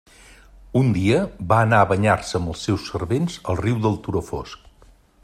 Un dia, va anar a banyar-se amb els seus servents al riu del turó fosc.